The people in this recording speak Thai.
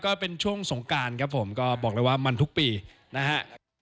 ก็เป็นช่วงสงการครับผมก็บอกเลยว่ามันทุกปีนะฮะ